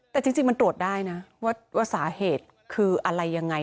แต่จริงมันตรวจได้นะว่าสาเหตุคืออะไรยังไง